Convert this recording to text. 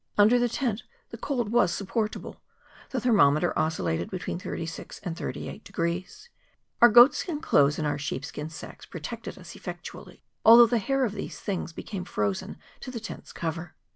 Under the tent the cold was supportable. The thermo¬ meter oscillated between 36° and 38°. Our goat¬ skin clothes and our sheepskin sacks protected us effectually, altliough the hair of these things be¬ came frozen to the tent's cover.